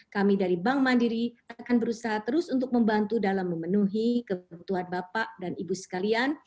kami dari bank mandiri akan berusaha terus untuk membantu dalam memenuhi kebutuhan bapak dan ibu sekalian